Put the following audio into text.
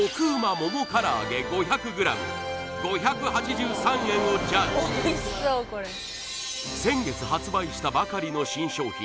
ももから揚げ５００ｇ５８３円をジャッジ先月発売したばかりの新商品